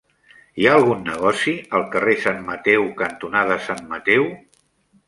Hi ha algun negoci al carrer Sant Mateu cantonada Sant Mateu?